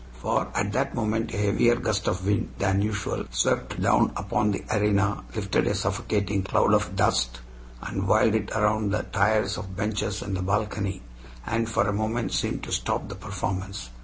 For at that moment a heavier gust of wind than usual swept down upon the arena, lifted a suffocating cloud of dust, and whirled it around the tiers of benches and the balcony, and for a moment seemed to stop the performance.